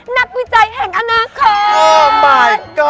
นักวิจัยแห่งอนาคต